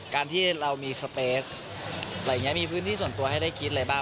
การที่เรามีพื้นที่ส่วนตัวให้ได้คิดอะไรบ้าง